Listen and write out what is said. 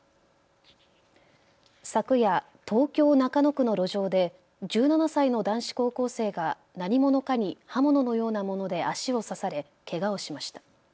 昨夜、東京中野区の路上で１７歳の男子高校生が何者かに刃物のようなもので足を刺されけがをしました。